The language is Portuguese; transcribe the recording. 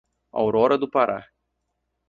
Aurora do Pará